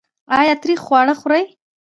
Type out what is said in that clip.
ایا تریخ خواړه خورئ؟